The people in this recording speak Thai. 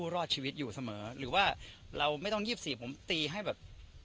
รอดชีวิตอยู่เสมอหรือว่าเราไม่ต้อง๒๔ผมตีให้แบบ